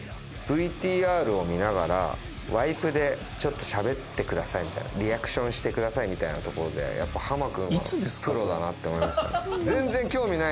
ワイプでちょっとしゃべってくださいみたいなリアクションしてくださいみたいなところでやっぱハマ君はプロだなって思いましたね。